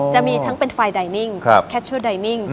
จะมีทั้งถ้าเป็นไฟล์ไดนิ่งแคทชวยดาวนี่